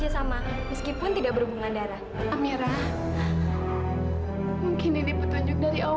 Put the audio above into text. sampai jumpa di video selanjutnya